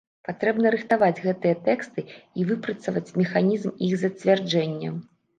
Патрэбна рыхтаваць гэтыя тэксты і выпрацаваць механізм іх зацвярджэння.